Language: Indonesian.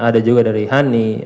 ada juga dari hani ibu hani